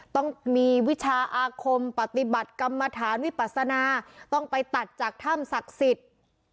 ต้องมีวิชาอาคมปฏิบัติกรรมฐานวิปัสนาต้องไปตัดจากถ้ำศักดิ์สิทธิ์